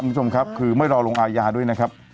คุณผู้ชมครับคือไม่รอลงอาญาด้วยนะครับ